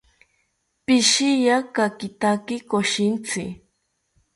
Pishiya kakitaki koshintzi